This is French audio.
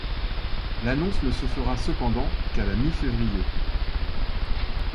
L'annonce ne se fera cependant qu'à la mi-février.